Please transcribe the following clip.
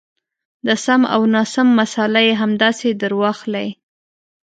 د سم او ناسم مساله یې همداسې درواخلئ.